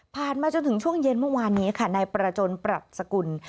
มาจนถึงช่วงเย็นเมื่อวานนี้ค่ะนายประจนปรัชสกุล